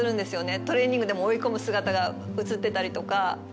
トレーニングでも追い込む姿が写ってたりとか。